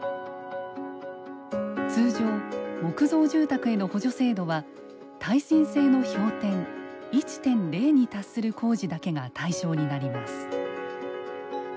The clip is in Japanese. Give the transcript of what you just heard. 通常、木造住宅への補助制度は耐震性の評点１．０に達する工事だけが対象になります。